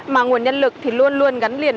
mà nguồn nhân lực thì luôn luôn gắn liền